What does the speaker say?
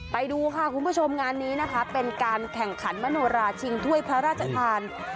ไปดูค่ะคุณผู้ชมงานนี้นะคะเป็นการแข่งขันมโนราชิงถ้วยพระราชทาน